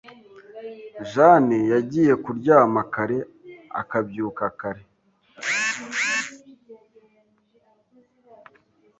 Jane yagiye kuryama kare akabyuka kare.